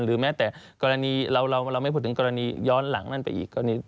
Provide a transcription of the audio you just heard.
แม้แต่กรณีเราไม่พูดถึงกรณีย้อนหลังนั่นไปอีก